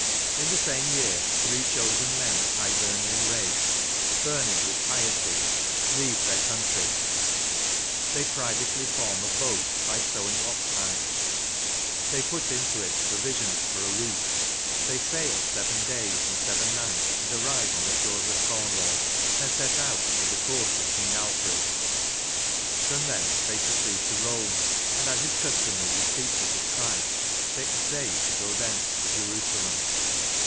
In the same year three chosen men of Hibernian race, burning with piety, leave their country ; they privately form a boat by sewing ox hides ; they put into it provisions for a week ; they sail seven days and seven nights and arrive on the shores of Cornwall, and set out for the court of King Alfred ; from thence they proceed to Borne, and, as is customary with teachers of Christ, they essay to go thence to Jerusalem."